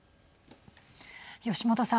吉元さん。